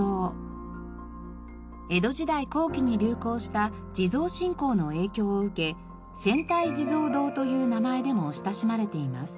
江戸時代後期に流行した地蔵信仰の影響を受け千体地蔵堂という名前でも親しまれています。